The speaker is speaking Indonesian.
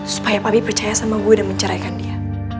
supaya pabi percaya sama gue dan menceraikan dia